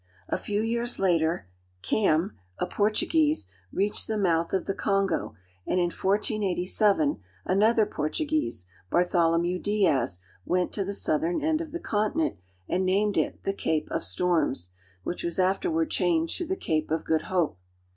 A few years later Cam kaN, a Portuguese, reached the mouth of the Kongo, and in 1487 another Portuguese, Bartholomew Dias (de'as), went to the south ern end of the continent and named it the "Cape of Storms,'* which was afterward changed to the Cape of Good Hope.